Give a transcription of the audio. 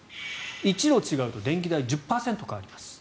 １度違うと電気代は１０％変わります。